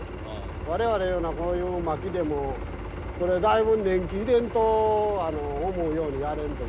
我々のようなこういうまきでもこれだいぶ年季入れんと思うようにやれんという。